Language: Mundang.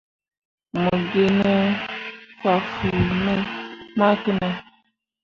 Mo gi ne fah fuu ma ki ne.